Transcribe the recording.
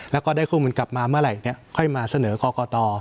แล้วก็ได้ข้อมูลกลับมาเมื่อไหร่ค่อยมาเสนอกรกต